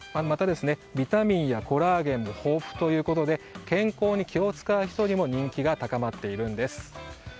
また、ビタミンやコラーゲンも豊富ということで健康に気を使う人にも人気が高まっているんです。